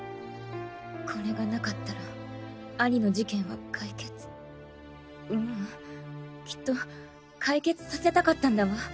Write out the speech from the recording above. これがなかったら兄の事件は解決ううんきっと解決させたかったんだわ。